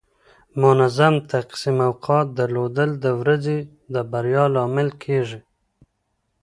منظم تقسیم اوقات درلودل د ورځې د بریا لامل کیږي.